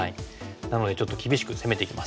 なのでちょっと厳しく攻めていきます。